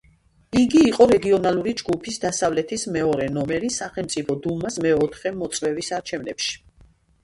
იგი იყო რეგიონალური ჯგუფის „დასავლეთის“ მეორე ნომერი სახელმწიფო დუმას მეოთხე მოწვევის არჩევნებში.